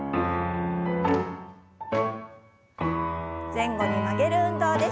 前後に曲げる運動です。